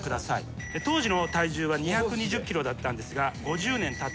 当時の体重は２２０ｋｇだったんですが５０年たった